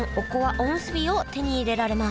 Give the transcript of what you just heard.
おむすびを手に入れられます